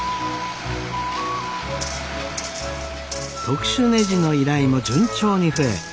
特殊ねじの依頼も順調に増え